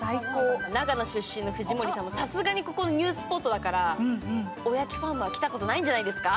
長野出身の藤森さんも、ここはニュースポットだからここに来たことないんじゃないですか？